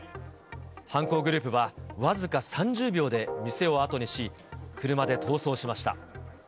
犯行グループは僅か３０秒で店を後にし、車で逃走しました。